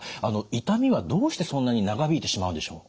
痛みはどうしてそんなに長引いてしまうんでしょう？